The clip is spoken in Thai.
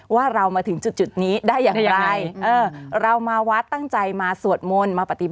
ว่าเรามาถึงจุดนี้ได้ยังไง